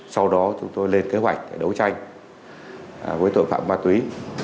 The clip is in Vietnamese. sau đó chúng tôi lên kế hoạch để đấu tranh với tội phạm ma túy